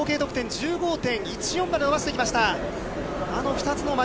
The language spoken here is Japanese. １５．１４まで伸ばしてきました。